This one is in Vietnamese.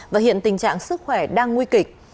và hiện tình trạng sức khỏe đang nguy kịch